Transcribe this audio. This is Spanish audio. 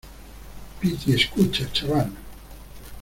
piti, escucha , chaval.